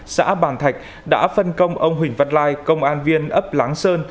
xã bàn thạch đã phân công ông huỳnh văn lai công an viên ấp láng sơn